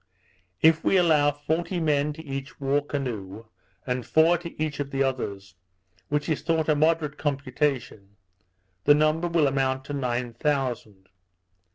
If we allow forty men to each war canoe, and four to each of the others, which is thought a moderate computation, the number will amount to nine thousand.